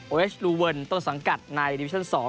เอชลูเวิร์นต้นสังกัดในดิวิชั่น๒